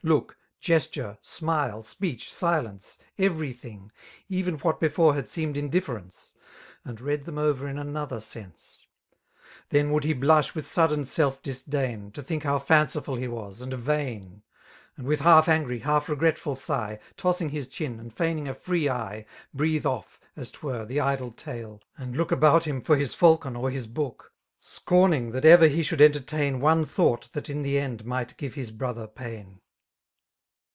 Look, gesture, smile, speech, silence, every thing, £ven what before had seemed indifference. And read them over in another sense. Then would he blush with sudden self'^disdain. To think how fanciful he was, and vain^ And with half angry, half regretful sigh. Tossing his chin, and feigning a free eye. Breathe off, as 'twere, the idle tale, and look About him for his falcon or his book> Scorning that ever he should entertain One thought that in the end might give his broQier pain..